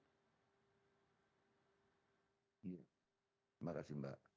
terima kasih mbak